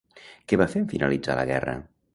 Què va fer en finalitzar la guerra?